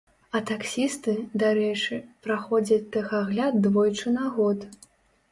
А таксісты, дарэчы, праходзяць тэхагляд двойчы на год.